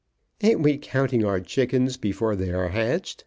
"Ain't we counting our chickens before they are hatched?"